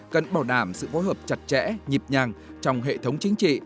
cần bảo đảm sự phối hợp chặt chẽ nhịp nhàng trong hệ thống chính trị